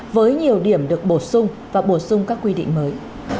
với nhiều điểm được bổ sung và bổ sung các quy định mới